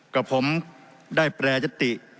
กับผมได้แปรยติ